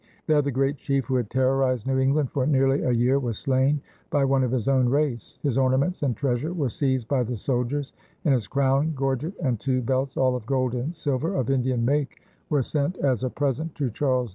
There the great chief who had terrorized New England for nearly a year was slain by one of his own race. His ornaments and treasure were seized by the soldiers, and his crown, gorget, and two belts, all of gold and silver of Indian make, were sent as a present to Charles II.